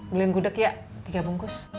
bulan gudeg ya tiga bungkus